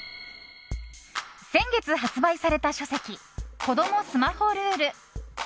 先月発売された書籍「こどもスマホルール」。